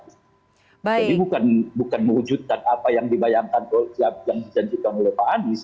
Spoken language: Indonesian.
jadi bukan mewujudkan apa yang dibayangkan yang dijanjikan oleh pak amis